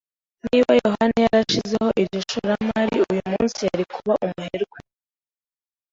Niba yohani yarashizeho iryo shoramari, uyu munsi yari kuba umuherwe.